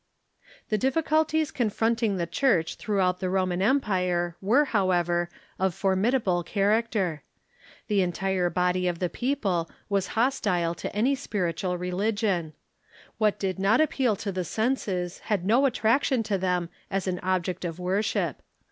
The difficulties confronting the Church throughout the Ro man Empire were, however, of formidable character. The en tire body of the people was hostile to any spirit Obstacles to I relio ion. What did not appeal to the senses Christianity ».^^ had no attraction to them as an object or worship.